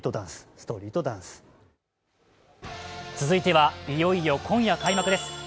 続いては、いよいよ今夜開幕です。